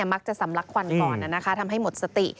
มักจะสำลักควันก่อนทำให้หมดสติ